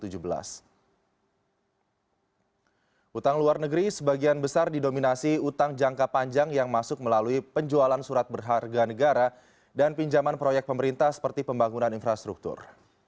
utang luar negeri sebagian besar didominasi utang jangka panjang yang masuk melalui penjualan surat berharga negara dan pinjaman proyek pemerintah seperti pembangunan infrastruktur